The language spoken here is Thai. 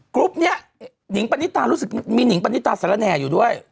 กรุ๊ปนี้หนิงปณิตารู้สึกมีหนิงปณิตาสารแหน่อยู่ด้วย